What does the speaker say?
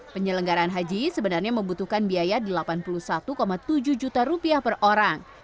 penyelenggaraan haji sebenarnya membutuhkan biaya rp delapan puluh satu tujuh juta rupiah per orang